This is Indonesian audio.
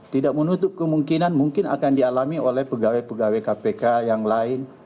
tidak menutup kemungkinan mungkin akan dialami oleh pegawai pegawai kpk yang lain